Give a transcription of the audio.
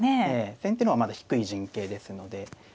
先手の方はまだ低い陣形ですので。